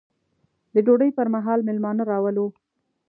د ډوډۍ پر مهال مېلمانه راولو.